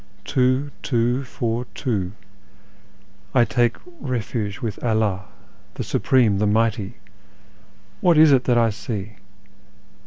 Tivo, two, four, two ; I take refuge with Allah, the Supreme, the Mighty! What is it that I see?